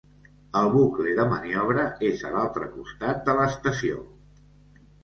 El bucle de maniobra és a l'altre costat de l'estació.